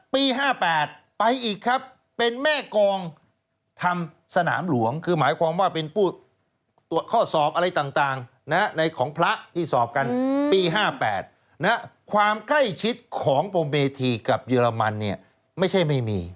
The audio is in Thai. ปี๕๘ไปอีกครับเป็นแม่กองทำสนามหลวงคือหมายความว่าเป็นผู้ตรวจข้อสอบอะไรต่างในของพระที่สอบกันปี๕๘ความใกล้ชิดของปมเมธีกับเยอรมันเนี่ยไม่ใช่ไม่มี